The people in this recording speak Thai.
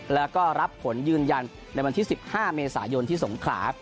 แล้วก็รับผลยืนยันในวันที่๑๕เมษายนที่สงขลา